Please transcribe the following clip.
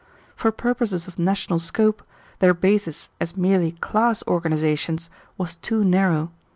For purposes of national scope, their basis as merely class organizations was too narrow.